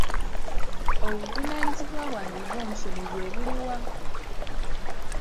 Obuvunaanyizibwa bwange ng'omusomi bwe buli wa?